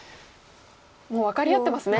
もう分かり合ってますね。